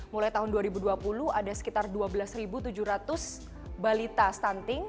mulai tahun dua ribu dua puluh ada sekitar dua belas tujuh ratus balita stunting